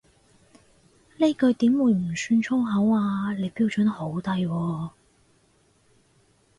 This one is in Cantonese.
呢句點會唔算粗口啊，你標準好低喎